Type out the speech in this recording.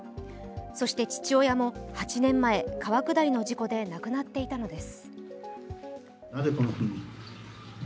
そして、父親も８年前、川下りの事故で亡くなっていたのです。